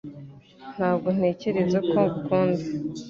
Ntabwo ntekereza ko ngukunda